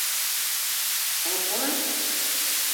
Апа?!